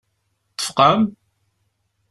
Tfeqɛem?